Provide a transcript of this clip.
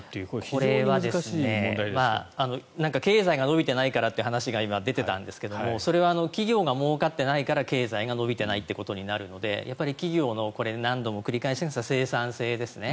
これは経済が伸びていないからという話が出ていたんですがそれは企業がもうかっていないから経済が伸びていないことになるので企業の、何度も繰り返しますが生産性ですね。